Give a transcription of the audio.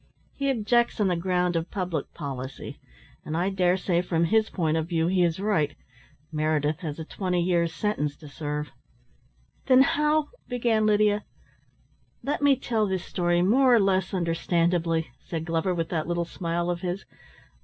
He objects on the ground of public policy, and I dare say from his point of view he is right. Meredith has a twenty years sentence to serve." "Then how " began Lydia. "Let me tell this story more or less understandably," said Glover with that little smile of his.